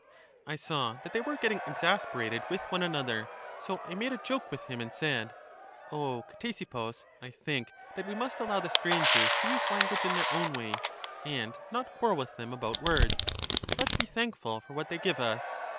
I saw that they were getting exasperated with one another, so I made a joke with him and said: O Ctesippus, I think that we must allow the strangers to use language in their own way, and not quarrel with them about words, but be thankful for what they give us.